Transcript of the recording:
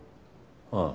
ああ。